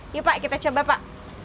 yuk pak kita coba pak